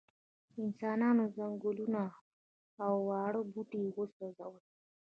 انسانانو ځنګلونه او واړه بوټي وسوځول.